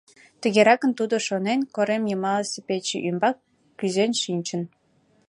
Тыгеракын тудо шонен, корем йымалсе пече ӱмбак кӱзен шинчын.